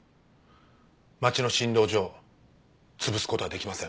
町の診療所を潰す事はできません。